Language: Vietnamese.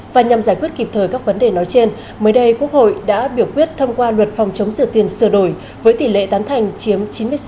và nhằm giải quyết kịp thời các vấn đề nói trên mới đây quốc hội đã biểu quyết thông qua luật phòng chống rửa tiền sửa đổi với tỷ lệ tán thành chiếm chín mươi sáu chín mươi chín